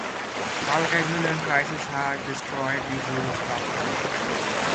Privatization and crises had destroyed the whole factory.